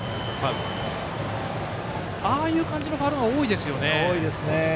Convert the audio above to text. ああいう感じのファウルが多いですよね。